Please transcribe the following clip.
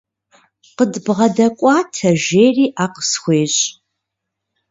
КъыдбгъэдэкӀуатэ, – жери, Ӏэ къысхуещӀ.